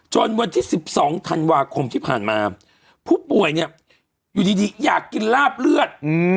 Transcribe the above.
วันที่๑๒ธันวาคมที่ผ่านมาผู้ป่วยเนี่ยอยู่ดีอยากกินลาบเลือด